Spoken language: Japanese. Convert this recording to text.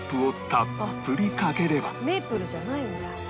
メープルじゃないんだ。